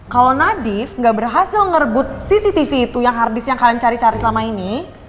kalau nadif nggak berhasil ngerebut cctv itu yang hard disk yang kalian cari cari selama ini